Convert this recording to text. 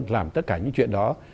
làm tất cả những chuyện đó